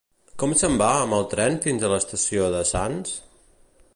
Com se'n va amb el tren fins a l'estació de Sants?